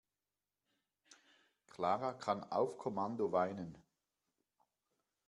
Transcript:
Clara kann auf Kommando weinen.